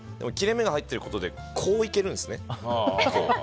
切れ目が入っていることでこういけるんですね。